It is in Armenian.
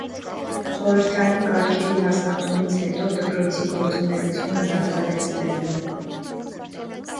Խորհրդային կարգերի հաստատումից հետո, դպրոցի գործունեությունը դադարեցվել է։